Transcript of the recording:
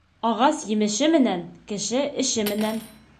Ағас емеше менән, кеше эше менән.